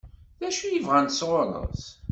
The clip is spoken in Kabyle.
D acu i bɣant sɣur-s?